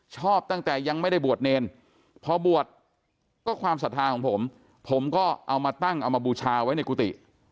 ชอบตั้งแต่ยังไม่ได้บวชเนรพอบวชก็ความศรัทธาของผมผมก็เอามาตั้งเอามาบูชาไว้ในกุฏิ